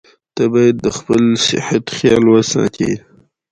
د افغانستان د موقعیت د افغانستان د ټولنې لپاره بنسټيز رول لري.